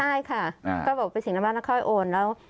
ใช่ค่ะก็บอกไปถึงหน้าบ้านเขาให้โอนแล้ว